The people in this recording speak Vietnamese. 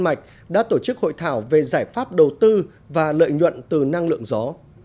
mạch đã tổ chức hội thảo về giải pháp đầu tư và lợi nhuận từ năng lượng gió